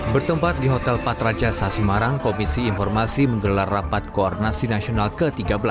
bertempat di hotel patra jasa semarang komisi informasi menggelar rapat koordinasi nasional ke tiga belas